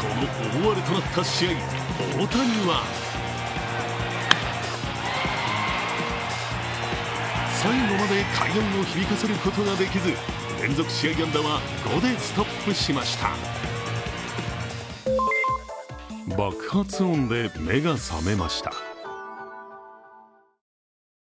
この大荒れとなった試合、大谷は最後まで快音を響かせることができず連続試合安打は５でストップしました。